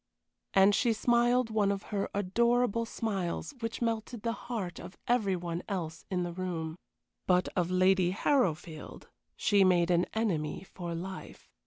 And she smiled one of her adorable smiles which melted the heart of every one else in the room. But of Lady Harrowfield she made an enemy for life.